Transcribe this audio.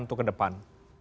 untuk ke depan